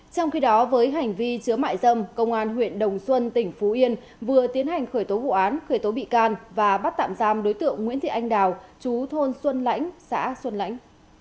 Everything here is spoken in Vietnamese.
trong khi đó với hành vi chứa mại dâm công an huyện đồng xuân tỉnh phú yên vừa tiến hành khởi tố vụ án khởi tố bị can và bắt tạm giam đối tượng nguyễn thị anh đào chú thôn xuân lãnh xã xuân lãnh